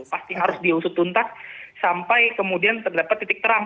pasti harus diusut tuntas sampai kemudian terdapat titik terang